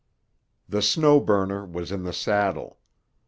The Snow Burner was in the saddle.